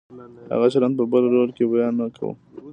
هغه چلند په بل رول کې بیا نه کوو.